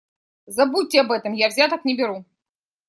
Забудьте об этом - я взяток не беру.